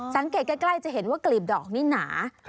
สังเกตใกล้จะเห็นว่ากลีบดอกนี่หนา